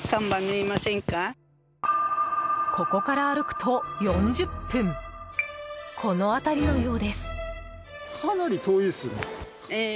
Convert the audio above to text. ここから歩くと４０分この辺りのようです。